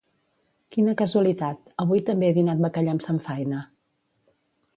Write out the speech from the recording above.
Quina casualitat, avui també he dinat bacallà amb samfaina